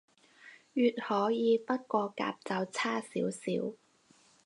乙可以，不過甲就差少少